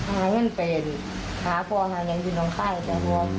หาเงินเป็นหาพ่อหาเงินอยู่ตรงข้าง